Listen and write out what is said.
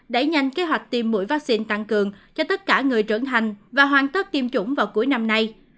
đẩy nhanh kế hoạch tiêm mũi vaccine tăng cường cho tất cả người trưởng hành và hoàn tất tiêm chủng vào cuối năm nay